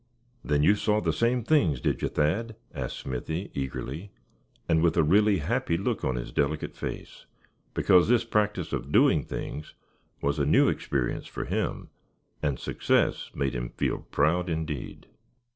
"Then you saw the same things, did you, Thad?" asked Smithy, eagerly, and with a really happy look on his delicate face; because this practice of "doing things" was a new experience for him, and success made him feel proud indeed.